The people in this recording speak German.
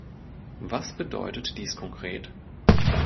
Was bedeutet dies konkret?